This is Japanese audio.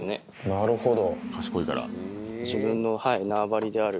なるほど。